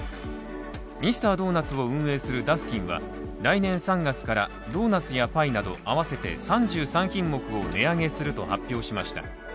ミスタードーナツを運営するダスキンは、来年３月からドーナツやパイなど合わせて３３品目を値上げすると発表しました。